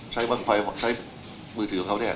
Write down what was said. ใช้เมือถือของเขาเนี่ย